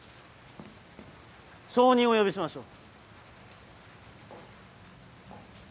証人をお呼びしましょう。